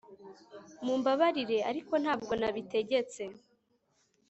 Mumbabarire ariko ntabwo nabitegetse